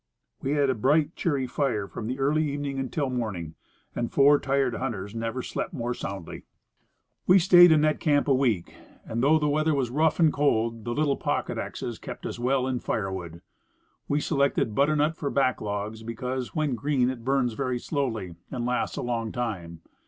We had a bright, cheery fire from the early evening until morning, and four tired hunters never slept more soundly. We staid in that camp a week; and, though the weather was rough and cold, the little pocket axes kept us well in firewood. We selected butternut for back logs, because, when green, it burns very slowly and lasts a long time.